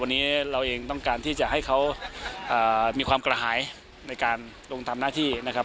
วันนี้เราเองต้องการที่จะให้เขามีความกระหายในการลงทำหน้าที่นะครับ